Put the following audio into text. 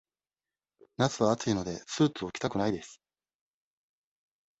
夏は暑いので、スーツを着たくないです。